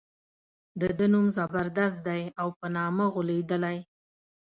د ده نوم زبردست دی او په نامه غولېدلی.